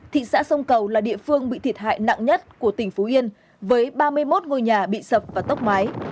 thị xã sông cầu là địa phương bị thiệt hại nặng nhất của tỉnh phú yên với ba mươi một ngôi nhà bị sập và tốc mái